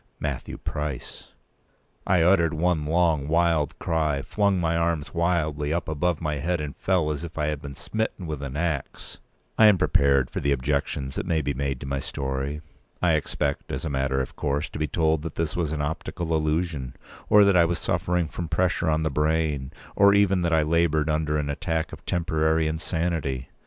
Matthew Price! I uttered one long wild cry, flung my arms wildly up above my head, and fell as if I had been smitten with an axe. I am prepared for the objections that may be made to my story. I expect, as a matter of course, to be told that this was an optical illusion, or that I was suffering from pressure on the brain, or even that I laboured under an attack of temporary insanity.